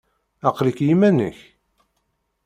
Aql-ik i yiman-nnek?